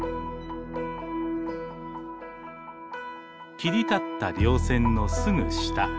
切り立ったりょう線のすぐ下。